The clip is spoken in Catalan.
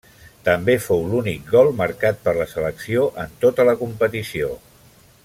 També fou l'únic gol marcat per la selecció en tota la competició.